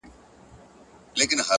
هم ښکاري ؤ هم جنګي ؤ هم غښتلی،